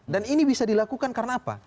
dan ini bisa dilakukan karena apa